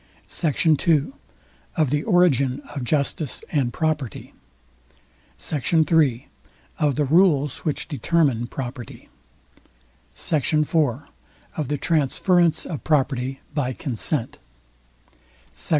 SECT. II OF THE ORIGIN OF JUSTICE AND PROPERTY SECT. III OF THE RULES WHICH DETERMINE PROPERTY SECT. IV OF THE TRANSFERENCE OF PROPERTY BY CONSENT SECT.